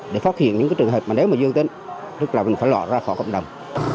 để phát hiện những trường hợp mà nếu mà dư tên tức là mình phải lọt ra khỏi cộng đồng